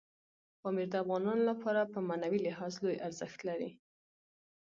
پامیر د افغانانو لپاره په معنوي لحاظ لوی ارزښت لري.